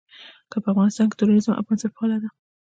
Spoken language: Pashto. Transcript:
که په افغانستان کې تروريزم او بنسټپالنه ده.